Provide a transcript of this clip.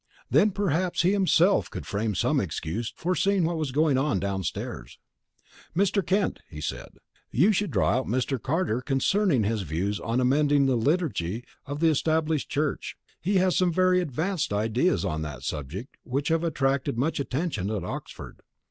Then perhaps he himself could frame some excuse for seeing what was going on downstairs. "Mr. Kent," he said, "you should draw out Mr. Carter concerning his views on amending the liturgy of the Established Church. He has some very advanced ideas on that subject which have attracted much attention at Oxford.